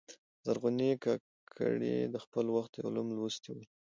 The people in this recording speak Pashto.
زرغونې کاکړي د خپل وخت علوم لوستلي ول.